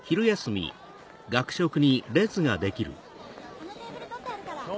・あのテーブルとってあるから。